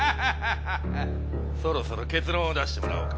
そろそろ結論を出してもらおうか？